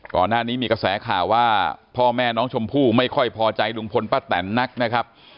ก่อนหน้านี้มีกระแสข่าวว่าพ่อแม่น้องชมพู่ไม่ค่อยพอใจลุงพลป้าแตนนักนะครับ